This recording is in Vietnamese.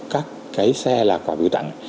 các cái xe là quà biểu tạng